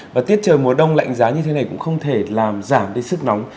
và tiết trời mùa đông lạnh giá như thế này cũng không thể làm giảm đi sức nóng